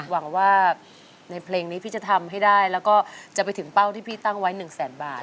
หวังว่าในเพลงนี้พี่จะทำให้ได้แล้วก็จะไปถึงเป้าที่พี่ตั้งไว้๑แสนบาท